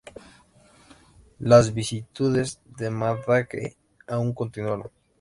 Las vicisitudes de Madge aún continuaron.